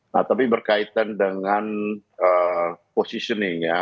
nah tapi berkaitan dengan positioning ya